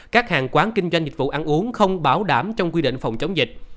các hàng quán kinh doanh dịch vụ ăn uống không bảo đảm trong quy định phòng chống dịch